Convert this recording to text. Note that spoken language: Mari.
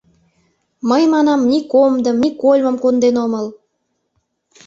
Мый, манам, ни комдым, ни кольмым конден омыл.